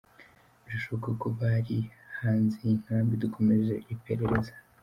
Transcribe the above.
birashoboka ko bari hanze y’inkambi dukomeje iperereza.